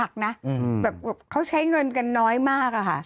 แบบเขาใช้เงินกันน้อยมาก